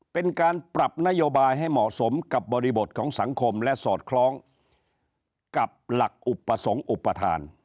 เป็นการปรับนโยบายให้เหมาะสมกับบริบทของสังคมและสอดคล้องกับหลักอุปสรรคอุปทาน